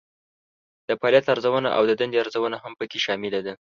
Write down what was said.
د فعالیت ارزونه او د دندې ارزونه هم پکې شامله ده.